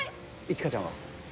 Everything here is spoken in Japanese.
一華ちゃんは？